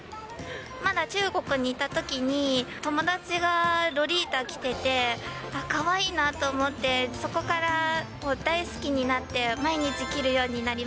まだ中国にいたときに、友達がロリータ着てて、あっ、かわいいなと思って、そこから大好きになって、毎日？